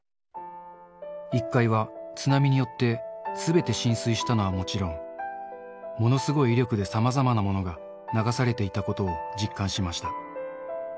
１階は津波によって、すべて浸水したのはもちろん、ものすごい威力でさまざまなものが流されていたことを実感しました。